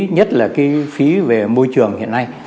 nhất là cái phí về môi trường hiện nay